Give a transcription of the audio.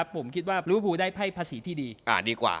ผมคิดว่าริเวอร์ภูได้ไพ่ภาษีที่ดี